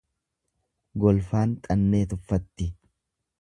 Golfaan xannee tuffatti.